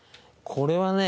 これはね